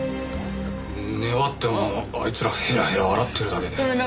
粘ってもあいつらヘラヘラ笑ってるだけで。